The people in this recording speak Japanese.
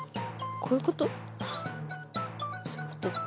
そういうことか。